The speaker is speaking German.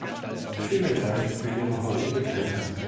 Vielen Dank für Ihre heutige Teilnahme.